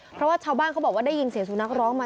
เพราะว่าชาวบ้านเขาบอกว่าได้ยินเสียงสุนัขร้องมา